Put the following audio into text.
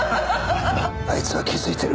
あいつは気づいてる。